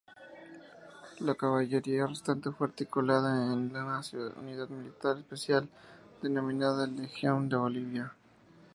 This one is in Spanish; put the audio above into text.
La caballería restante fue articulada en una ""unidad militar especial"" denominada "Legión de Bolivia".